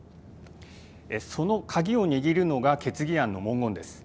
その鍵を握るのが決議案の文言です。